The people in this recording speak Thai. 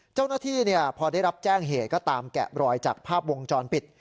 เจ้าหน้าที่พอได้รับแจ้งเหตุก็ตามแกะรอยจากภาพวงจรปิด